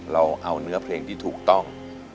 เราเอาเนื้อเพลงที่ถูกต้อง